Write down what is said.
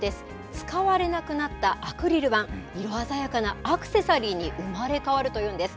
使われなくなったアクリル板、色鮮やかなアクセサリーに生まれ変わるというんです。